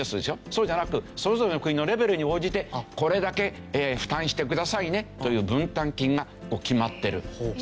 そうじゃなくそれぞれの国のレベルに応じてこれだけ負担してくださいねという分担金が決まってる。